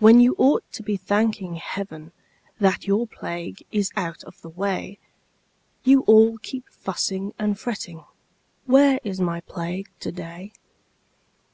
When you ought to be thanking Heaven That your plague is out of the way, You all keep fussing and fretting "Where is my Plague to day?"